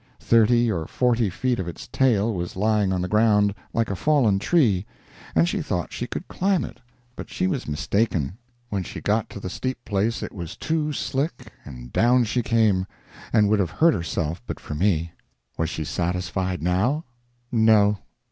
Thirty or forty feet of its tail was lying on the ground, like a fallen tree, and she thought she could climb it, but she was mistaken; when she got to the steep place it was too slick and down she came, and would have hurt herself but for me. Was she satisfied now? No.